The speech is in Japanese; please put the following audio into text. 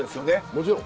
もちろん。